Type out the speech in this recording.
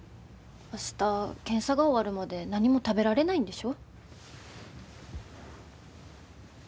明日検査が終わるまで何も食べられないんでしょ？